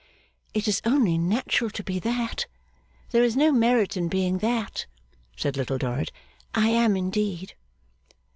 'It is only natural to be that. There is no merit in being that,' said Little Dorrit. 'I am indeed.